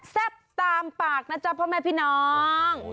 ตามปากนะจ๊ะพ่อแม่พี่น้อง